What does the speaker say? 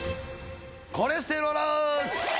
コレステローラーズ。